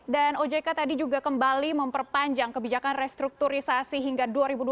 dan ojk tadi juga kembali memperpanjang kebijakan restrukturisasi hingga dua ribu dua puluh satu